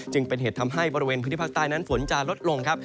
จึงเป็นเหตุทำให้บริเวณพื้นที่ภาคใต้นั้นฝนจะลดลงครับ